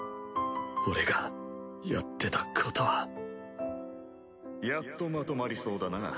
俺がやってたことはやっとまとまりそうだな。